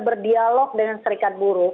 berdialog dengan serikat buruh